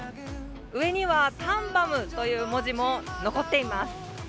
上にはタンバムという文字も残っています。